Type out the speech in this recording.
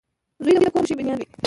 • زوی د کور د خوښۍ بنیاد وي.